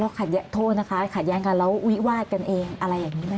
ขัดโทษนะคะขัดแย้งกันแล้ววิวาดกันเองอะไรอย่างนี้ไหมค